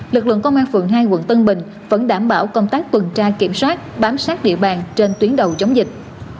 lực lượng công an phường hai quận tân bình vẫn đảm bảo công tác tuần tra kiểm soát bám sát địa bàn trên tuyến đầu chống dịch